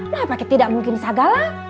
nah apakah tidak mungkin segala